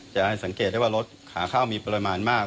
จะให้สังเกตได้ว่ารถขาข้าวมีปริมาณมาก